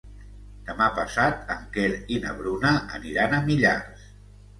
Demà passat en Quer i na Bruna aniran a Millars.